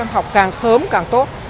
học càng sớm càng tốt